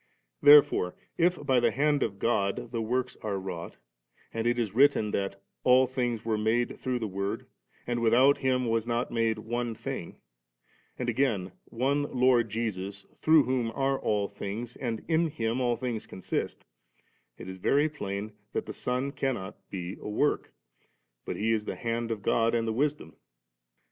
* There fore if by the Hand of God the woiks are wrought, and it b written that ' all things were made through the Word,* and * without Him was not made one thing*/ and again, ^One Lord Jesus, through whom are all things V and ' in Him all things consist V it is very plain that the Son cannot be a work, but He is the Hand7 of God and the Wisdom.